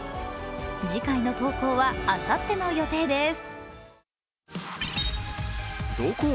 次回の投稿はあさっての予定です。